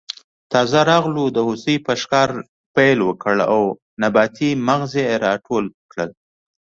تازه راغلو د هوسۍ په ښکار پیل وکړ او نباتي مغز یې راټول کړل.